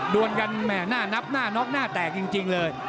ดวนกันหน้านอปหน้านอกหน้าแตกจริงเลย